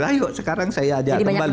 ayo sekarang saya ajak kembali